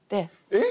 えっ！？